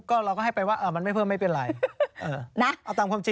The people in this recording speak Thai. ก็เราก็ให้ไปว่ามันไม่เพิ่มไม่เป็นไร